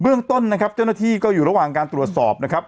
เรื่องต้นนะครับเจ้าหน้าที่ก็อยู่ระหว่างการตรวจสอบนะครับ